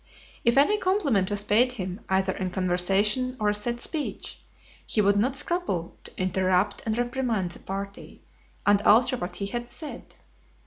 If any compliment was paid him, either in conversation or a set speech, he would not scruple to interrupt and reprimand the party, and alter what he had said.